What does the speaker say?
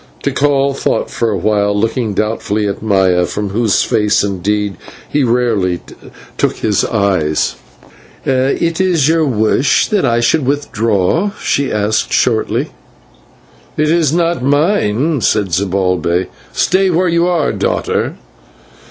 Tikal thought for a while, looking doubtfully at Maya, from whose fair face, indeed, he rarely took his eyes. "Is it your wish that I should withdraw?" she asked shortly. "It is not mine," said Zibalbay; "stay where you are, daughter."